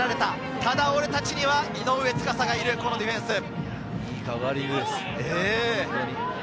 ただ俺たちには井上斗嵩がいる、このディフェンスです。